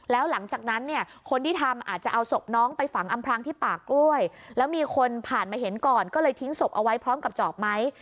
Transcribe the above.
แล้วหลังจากนั้นเนี่ยคนที่ทำอาจจะเอาศพน้องไปฝังอำพรางที่ป่ากล้วยแล้วมีคนผ่านมาเห็นก่อนก็เลยทิ้งศพเอาไว้พร้อมกับจอบไม้